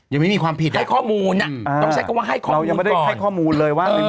ยังไม่มีความผิดอ่ะให้ข้อมูลอ่ะต้องใช้คำว่าให้ข้อมูลก่อน